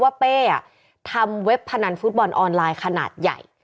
เป้ทำเว็บพนันฟุตบอลออนไลน์ขนาดใหญ่